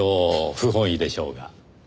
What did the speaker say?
不本意でしょうが。